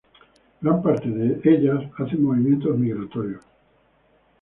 Gran parte de ellas hacen movimientos migratorios.